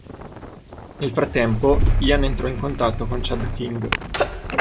Nel frattempo, Ian entrò in contatto con Chad King.